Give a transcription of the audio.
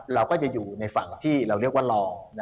เราก็จะอยู่ในฝั่งที่เราเรียกว่ารอ